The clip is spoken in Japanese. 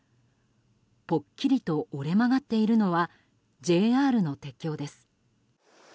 ぽっきりと折れ曲がっているのはＪＲの鉄橋です。